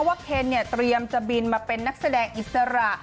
เคนเนี่ยเตรียมจะบินมาเป็นนักแสดงอิสระ